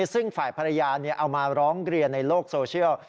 ซึ่งฝ่ายภรรยาเอามาร้องเรียนในโลกโซเชียล